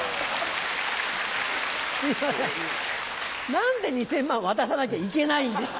すいません何で２０００万渡さなきゃいけないんですか。